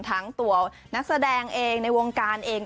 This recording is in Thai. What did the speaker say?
ทั้งตัวนักแสดงเองในวงการเอง